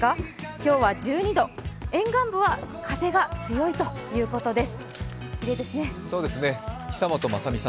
今日は１２度、沿岸部は風が強いということです。